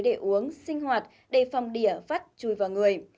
để uống sinh hoạt đầy phòng đĩa vắt chui vào người